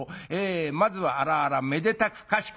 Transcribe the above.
まずはあらあらめでたくかしこ』。